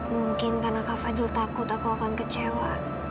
mungkin karena kak fajrul takut aku akan kecewa